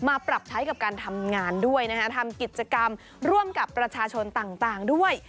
ปรับใช้กับการทำงานด้วยนะฮะทำกิจกรรมร่วมกับประชาชนต่างด้วย